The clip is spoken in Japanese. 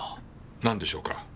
なんでしょうか？